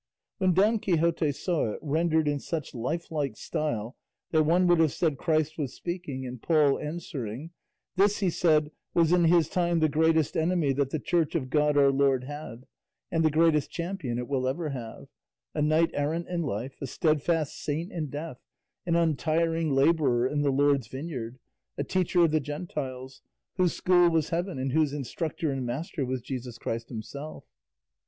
When Don Quixote saw it, rendered in such lifelike style that one would have said Christ was speaking and Paul answering, "This," he said, "was in his time the greatest enemy that the Church of God our Lord had, and the greatest champion it will ever have; a knight errant in life, a steadfast saint in death, an untiring labourer in the Lord's vineyard, a teacher of the Gentiles, whose school was heaven, and whose instructor and master was Jesus Christ himself."